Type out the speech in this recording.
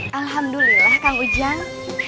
alhamdulillah kang ujang